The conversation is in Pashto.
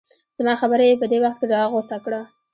زما خبره یې په دې وخت کې راغوڅه کړه.